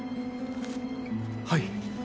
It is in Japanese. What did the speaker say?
はい。